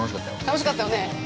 ◆楽しかったよね。